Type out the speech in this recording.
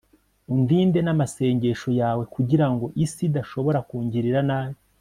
undinde n'amasengesho yawe kugirango isi idashobora kungirira nabi